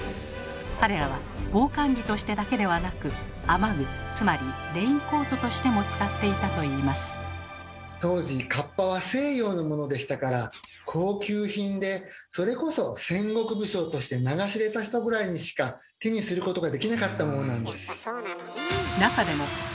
彼らは防寒着としてだけではなく雨具つまり当時かっぱは西洋のものでしたから高級品でそれこそ戦国武将として名が知れた人ぐらいにしか手にすることができなかったものなんです。